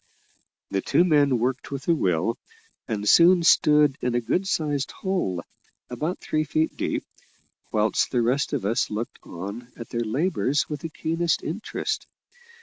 The two men worked with a will, and soon stood in a good sized hole, about three feet deep, whilst the rest of us looked on at their labours with the keenest interest.